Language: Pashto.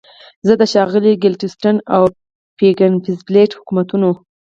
زه د ښاغلي ګلیډستون او بیکنزفیلډ حکومتونو.